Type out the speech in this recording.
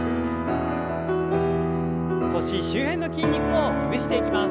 腰周辺の筋肉をほぐしていきます。